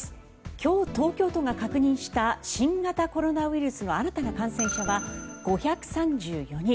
今日、東京都が確認した新型コロナウイルスの新たな感染者は５３４人。